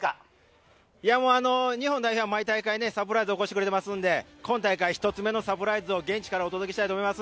日本代表は毎大会サプライズを起こしてくれてますんで、今大会１つ目のサプライズを現地からお届けしたいと思います。